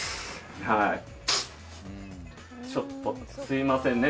ちょっとすみませんね。